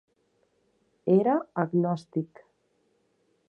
Era agnòstic.